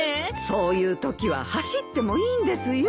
そういうときは走ってもいいんですよ。